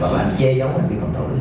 hoặc là anh chê giấu hành vi bầm tội